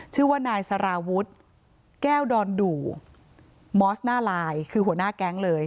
ชื่อว่านายสารวุฒิแก้วดอนดูมอสหน้าลายคือหัวหน้าแก๊งเลย